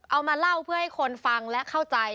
เอามาเล่าเพื่อให้คนฟังและเข้าใจ